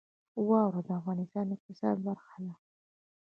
واوره د افغانستان د اقتصاد برخه ده.